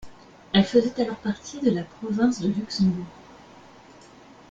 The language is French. Elle faisait alors partie de la province de Luxembourg.